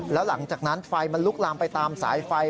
แล้วหลังจากนั้นไฟมันลุกลามไปตามสายไฟ